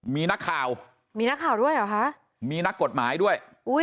มีนักข่าวมีนักข่าวด้วยเหรอคะมีนักกฎหมายด้วย